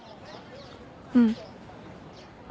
うん。